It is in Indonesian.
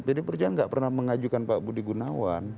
pd perjuangan gak pernah mengajukan pak budi gunawan